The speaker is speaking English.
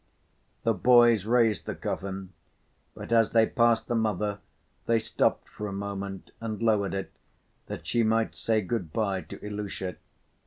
The boys raised the coffin, but as they passed the mother, they stopped for a moment and lowered it that she might say good‐ by to Ilusha.